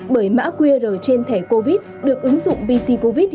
bởi mã qr trên thẻ covid được ứng dụng pc covid hiệu quả